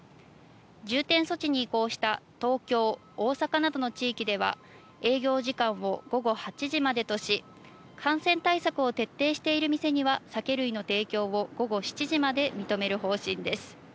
重点措置に移行した東京、大阪などの地域では、営業時間を午後８時までとし、感染対策を徹底している店には酒類の提供を午後７時まで認める方針です。